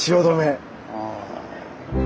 ああ。